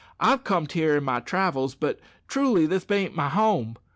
I've comed here in my travels, but truly this bean't my home.